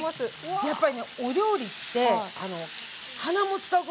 やっぱりねお料理って鼻も使うことも大事なんですよ。